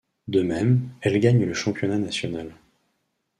De même, elle gagne le championnat national.